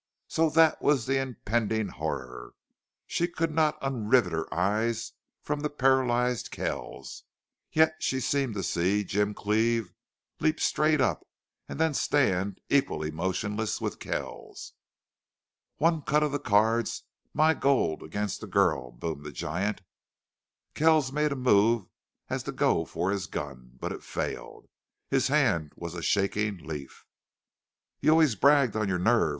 So that was the impending horror. She could not unrivet her eyes from the paralyzed Kells, yet she seemed to see Jim Cleve leap straight up, and then stand, equally motionless, with Kells. "One cut of the cards my gold against the girl!" boomed the giant. Kells made a movement as if to go for his gun. But it failed. His hand was a shaking leaf. "You always bragged on your nerve!"